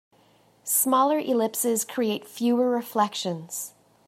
Smaller ellipses create fewer reflections.